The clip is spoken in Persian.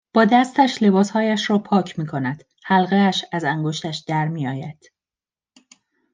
با دستش لباسهایش را پاک میکند حلقهاش از انگشتش درمیآید